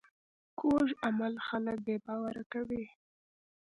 کوږ عمل خلک بې باوره کوي